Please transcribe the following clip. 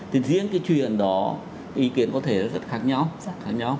thì riêng cái chuyện đó ý kiến có thể rất khác nhau